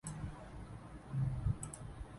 โหรงเหรง